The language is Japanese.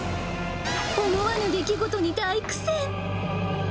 思わぬ出来事に大苦戦。